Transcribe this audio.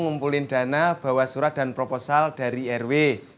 ngumpulin dana bawa surat dan proposal dari rw